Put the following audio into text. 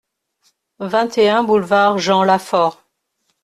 vingt et un boulevard Jean Lafaure